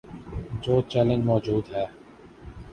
جو چیلنج موجود ہے۔